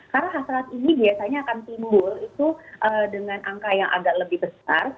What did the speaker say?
karena hasrat ini biasanya akan timbul itu dengan angka yang agak lebih besar